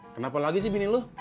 kenapa lagi sih bini lo